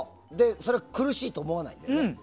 それは苦しいと思わないことね。